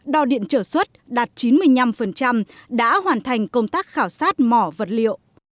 đo điện trở xuất đạt chín mươi năm đã hoàn thành công tác khảo sát mỏ vật liệu